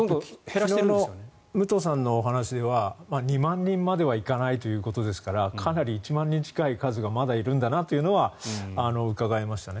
昨日の武藤さんのお話では２万人まではいかないということでしたので１万人ちょっとはまだいるんだなというのはうかがえましたね。